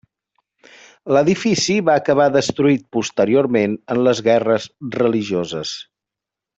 L'edifici va acabar destruït posteriorment en les guerres religioses.